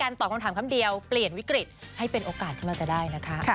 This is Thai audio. เราก็รู้จักกันได้